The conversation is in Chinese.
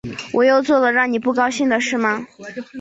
我又做了让你不高兴的事吗